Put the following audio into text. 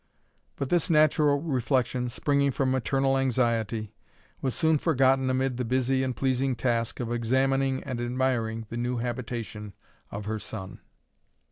But this natural reflection, springing from maternal anxiety, was soon forgotten amid the busy and pleasing task of examining and admiring the new habitation of her son.